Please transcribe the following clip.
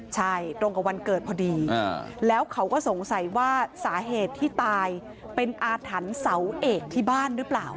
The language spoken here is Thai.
ใช่ตรงกับวันเกิดพอดีแล้วเขาก็สงสัยว่าสาเหตุที่ตายเป็นอาถรรพ์เสาเอกที่บ้านหรือเปล่า